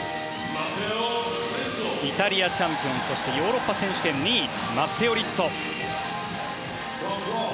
イタリアチャンピオンそしてヨーロッパ選手権２位マッテオ・リッツォ。